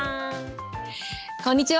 こんにちは。